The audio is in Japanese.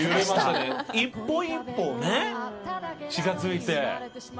一歩一歩ね近づいて。